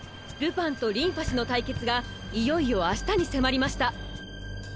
ルパンとリンファ氏の対決がいよいよ明日に迫りました。